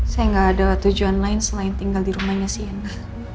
saya nggak ada tujuan lain selain tinggal di rumahnya sih enak